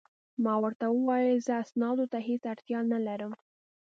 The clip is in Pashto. ما ورته وویل: زه اسنادو ته هیڅ اړتیا نه لرم.